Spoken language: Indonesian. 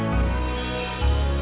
mangkenya lo jangan sejago